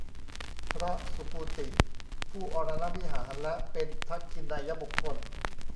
พระสุภูติ ผู้อรณวิหาร และเป็นทักขิไณยบุคคล